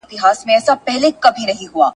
بېګا خوب کي راسره وې نن غزل درته لیکمه .